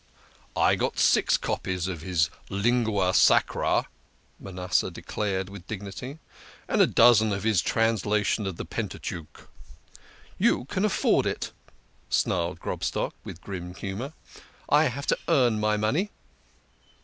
" I got six copies of his Lingua Sacra" Manasseh de clared with dignity, " and a dozen of his translation of the Pentateuch." " You can afford it !" snarled Grobstock, with grim humour. " I have to earn my money."